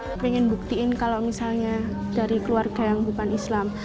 saya ingin buktiin kalau misalnya dari keluarga yang bukan islam